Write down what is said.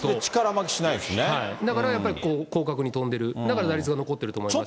はい、だからやっぱり広角に飛んでる、だから打率が残っていると思いますし。